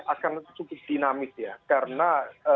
akan cukup dinamis ya karena